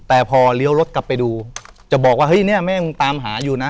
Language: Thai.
แต่พอเลี้ยวรถกลับไปดูจะบอกว่าเฮ้ยเนี่ยแม่มึงตามหาอยู่นะ